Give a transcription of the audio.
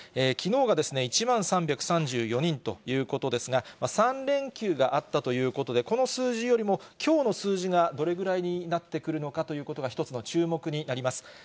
きのうが１万３３４人ということですが、３連休があったということで、この数字よりも、きょうの数字がどれぐらいになってくるのかということが、一つの注目になります。